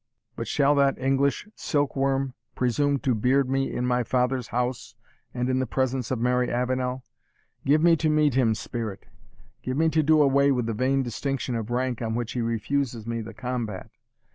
But shall that English silkworm presume to beard me in my father's house, and in the presence of Mary Avenel? Give me to meet him, spirit give me to do away the vain distinction of rank on which he refuses me the combat.